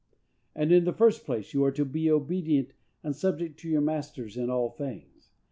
And, in the first place, you are to be obedient and subject to your masters in all things....